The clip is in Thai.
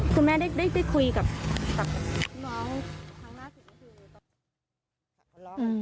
คุณแม่ได้คุยกับคุณล้อง